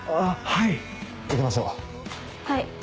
はい。